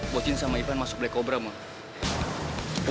bocin sama iban masuk black cobra mau